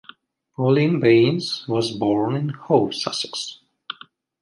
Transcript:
Pauline Baynes was born in Hove, Sussex.